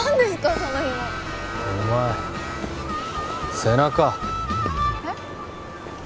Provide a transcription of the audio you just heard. そのヒモお前背中えっ？